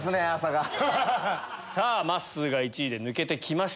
さぁまっすーが１位で抜けてきました。